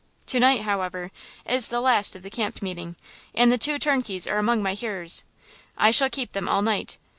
To night, however, is the last of the camp meeting, and the two turnkeys are among my hearers! I shall keep them all night!